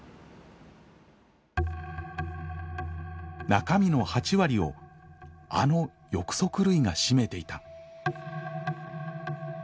中身の８割をあの翼足類が占めていた。